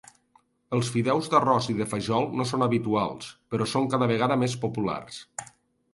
Els fideus d'arròs i de fajol no són habituals, però són cada vegada més populars.